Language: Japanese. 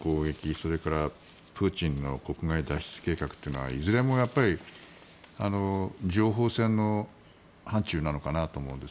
それから、プーチンの国外脱出計画というのはいずれも情報戦の範ちゅうなのかなと思うんです。